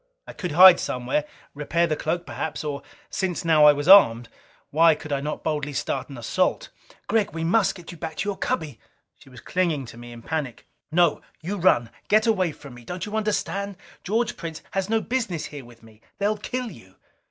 I could hide somewhere, repair the cloak perhaps. Or, since now I was armed, why could not I boldly start an assault? "Gregg, we must get you back to your cubby!" She was clinging to me in panic. "No. You run! Get away from me! Don't you understand? George Prince has no business here with me! They'll kill you!"